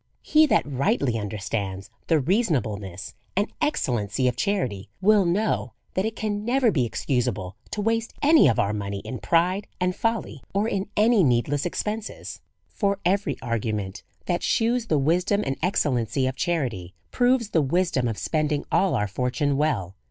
He that rightly understands the reasonableness and excellency of charity, will know that it can never be excusable to waste any of our money in pride and folly, or in any needless expenses. For every argument that shews the wisdom and ex cellency of charity, proves the wisdom of spending all our fortune well.